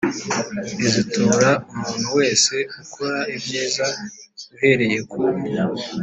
izitura umuntu wese ukora ibyiza uhereye ku